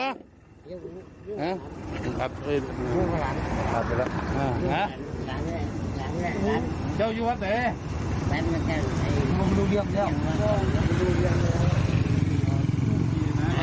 อันนี้กำลังน่ะ